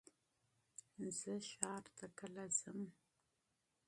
زه ښار ته کله ځم؟